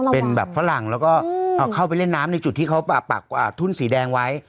เป็นแบบฝรั่งแล้วก็เข้าไปเล่นน้ำในจุดที่เขาปักทุ่นสีแดงไว้